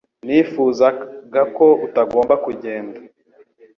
Nifuzaga ko utagomba kugenda